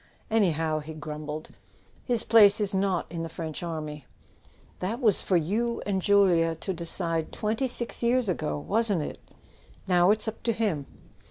"Anyhow," he grumbled, "his place is not in the French army." "That was for you and Julia to decide twenty six years ago, wasn't it? Now it's up to him."